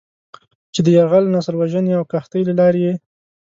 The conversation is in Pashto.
چې د "يرغل، نسل وژنې او قحطۍ" له لارې یې